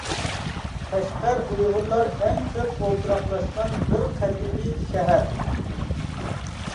قەشقەر ئۇيغۇرلار ئەڭ كۆپ ئولتۇراقلاشقان بىر قەدىمىي شەھەر.